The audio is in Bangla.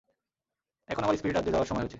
এখন আমার স্পিরিট রাজ্যে যাওয়ার সময় হয়েছে।